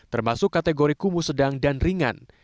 termasuk kategori kumuh sedang dan ringan